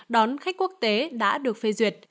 đón khách quốc tế đã được phê duyệt